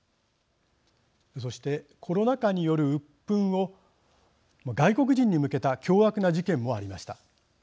そしてコロナ禍によるうっぷんを外国人に向けた凶悪な事件もありました。